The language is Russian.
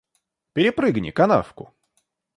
Перепрыгни канавку.